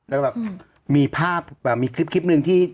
แล้วก็มีภาพมีคลิปหนึ่งที่